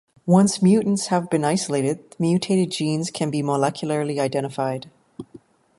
Once mutants have been isolated, the mutated genes can be molecularly identified.